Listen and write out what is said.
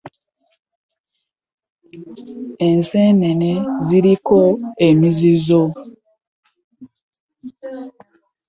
Ensenene ziriko emizizo.